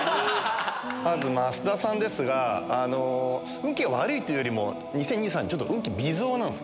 まず増田さんですが、運気が悪いというよりも、２０２３、運気、微増なんです。